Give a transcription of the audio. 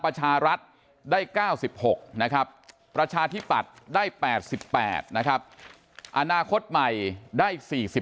ประชารัฐได้๙๖นะครับประชาธิปัตย์ได้๘๘นะครับอนาคตใหม่ได้๔๘